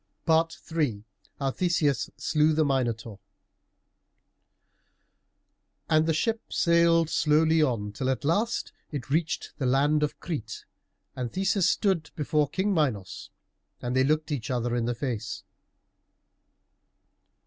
III HOW THESEUS SLEW THE MINOTAUR And the ship sailed slowly on, till at last it reached the land of Crete, and Theseus stood before King Minos, and they looked each other in the face.